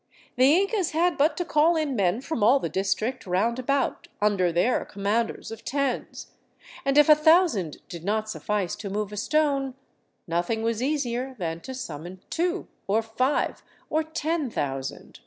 The Incas had but to call in men from all the district roundabout, under their commanders of tens, and if a thousand did not suffice to move a stone, nothing was easier than to summon two, or five, or ten thousand.